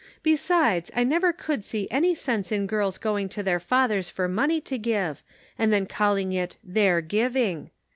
Besides, I never could see any sense in girls going to their fathers for money to give, and then calling it their giving.